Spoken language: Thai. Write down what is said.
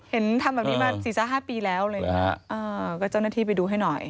เห็นทำแบบนี้มา๔๕ปีแล้วเลยก็เจ้าหน้าที่ไปดูให้หน่อย